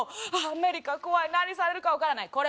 「ああアメリカ怖い何されるか分からない」